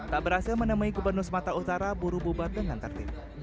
tak berhasil menemui gubernur sumatera utara buru bubat dengan tertib